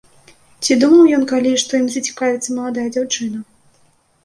Ці думаў ён калі, што ім зацікавіцца маладая дзяўчына!